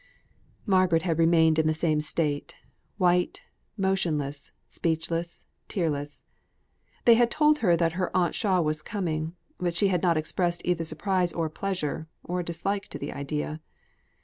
Margaret had remained in the same state; white, motionless, speechless, tearless. They had told her that her aunt Shaw was coming; but she had not expressed either surprise or pleasure, or dislike to the idea.